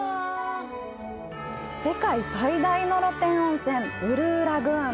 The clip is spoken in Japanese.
世界最大の露天温泉「ブルーラグーン」。